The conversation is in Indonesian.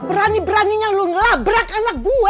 berani beraninya lu nglabrak anak gue